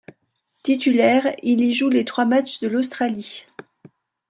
Titulaire, il y joue les trois matchs de l'Australie.